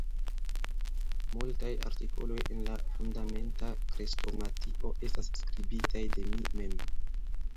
Multaj artikoloj en la Fundamenta Krestomatio estas skribitaj de mi mem.